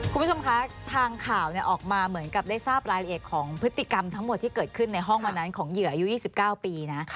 คุณผู้ชมคะทางข่าวออกมาเหมือนกับได้ทราบรายละเอียดของพฤติกรรมทั้งหมดที่เกิดขึ้นในห้องวันนั้นของเหยื่ออายุ๒๙ปีนะ